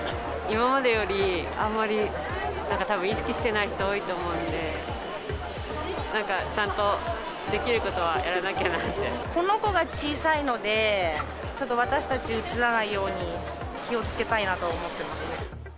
今までよりあんまりたぶん、意識していない人多いと思うんで、なんかちゃんと、できることはやこの子が小さいので、ちょっと私たち、うつらないように気をつけたいなと思ってます。